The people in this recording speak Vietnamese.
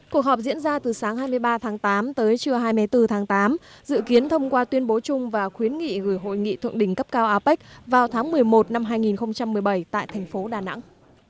cuộc họp diễn ra từ sáng hai mươi ba tháng tám tới trưa hai mươi bốn tháng tám dự kiến thông qua tuyên bố chung và khuyến nghị gửi hội nghị thượng đỉnh cấp cao apec vào tháng một mươi một năm hai nghìn một mươi bảy tại thành phố đà nẵng